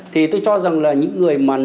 thì tôi cho rằng là những người